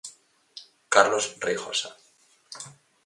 Carlos Reigosa.